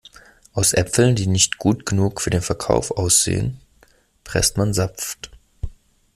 Aus Äpfeln, die nicht gut genug für den Verkauf aussehen, presst man Saft.